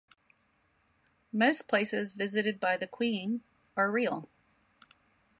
Most places visited by the "Queen" are real.